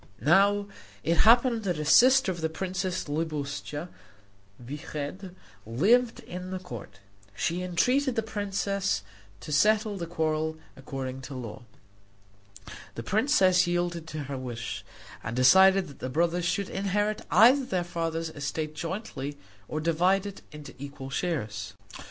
Now it happened that a sister of the princess Libuscha Vyched lived at the court. She entreated the princess to settle the quarrel according to law. The princess yielded to her wish, and decided that the brothers should either inherit their father's estate jointly or divide it into equal shares.